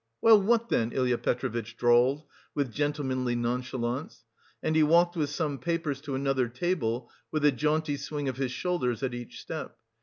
"Well, what then!" Ilya Petrovitch drawled with gentlemanly nonchalance; and he walked with some papers to another table, with a jaunty swing of his shoulders at each step.